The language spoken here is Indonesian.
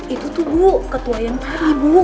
itu tuh bu ketua yang pari bu